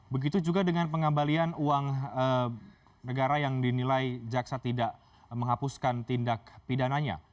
begitu juga dengan pengambalian uang negara yang dinilai jaksa tidak menghapuskan tindak pidananya